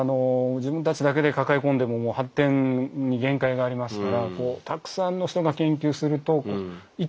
自分たちだけで抱え込んでももう発展に限界がありますからたくさんの人が研究すると一気に進むという。